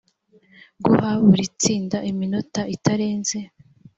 guha buri itsinda iminota itarenze